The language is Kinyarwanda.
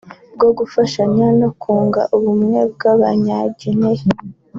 bwo gufashanya no kunga ubumwe kw’aba nya Guineya